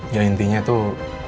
ya intinya tuh